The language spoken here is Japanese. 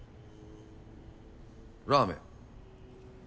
ラーメン。